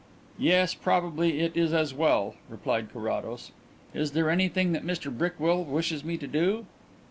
"Yes; probably it is as well," replied Carrados. "Is there anything that Mr Brickwill wishes me to do?"